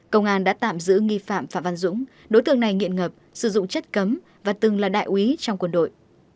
công an đã tạm giữ nghi phạm phạm văn dũng đối tượng này nghiện ngập sử dụng chất cấm và từng là đại úy trong quân đội